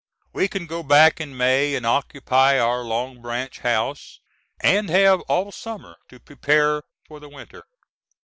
We can go back in May and occupy our Long Branch house and have all summer to prepare for the winter.